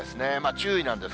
注意なんです。